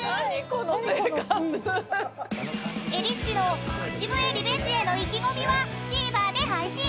［えりっちの口笛リベンジへの意気込みはＴＶｅｒで配信。